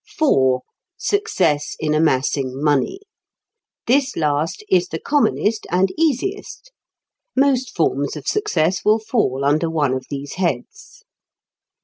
(4) Success in amassing money. This last is the commonest and easiest. Most forms of success will fall under one of these heads.